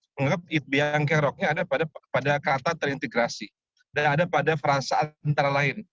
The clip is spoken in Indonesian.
menganggap biang keroknya ada pada kata terintegrasi dan ada pada frasa antara lain